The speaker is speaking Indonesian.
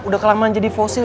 udah kelamaan jadi fosil